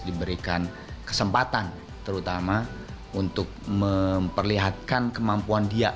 diberikan kesempatan terutama untuk memperlihatkan kemampuan dia